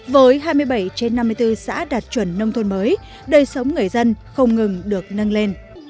với hai mươi bảy trên năm mươi bốn xã đạt chuẩn nông thôn mới đời sống người dân không ngừng được nâng lên